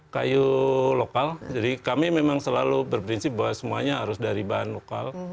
kayu lokal jadi kami memang selalu berprinsip bahwa semuanya harus dari bahan lokal